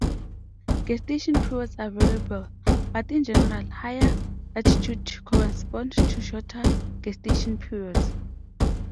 Gestation periods are variable, but in general, higher latitudes correspond to shorter gestation periods.